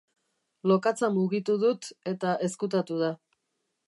Lokatza mugitu dut, eta ezkutatu da.